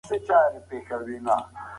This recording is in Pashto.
د خوړو خوندي توب د ټولو خلکو مسؤلیت دی.